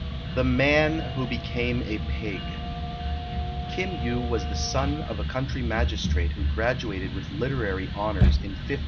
XVI THE MAN WHO BECAME A PIG [Kim Yu was the son of a country magistrate who graduated with literary honours in 1596.